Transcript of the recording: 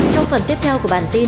trong phần tiếp theo của bản tin